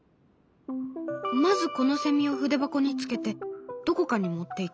まずこのセミを筆箱につけてどこかに持っていく。